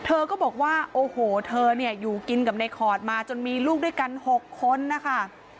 เธอก็บอกว่าโอ้โหเธอเนี่ยอยู่กินกับในขอดมาจนมีลูกด้วยกัน๖คนนะคะ